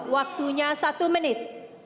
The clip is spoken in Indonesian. waktunya satu menit